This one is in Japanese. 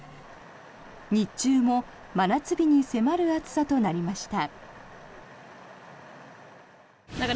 日中も真夏日に迫る暑さとなりました。